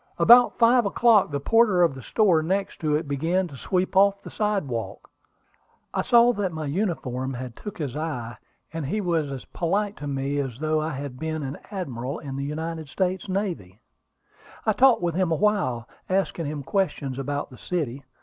About five o'clock the porter of the store next to it began to sweep off the sidewalk. I saw that my uniform took his eye, and he was as polite to me as though I had been an admiral in the United States Navy. I talked with him awhile, asking him questions about the city.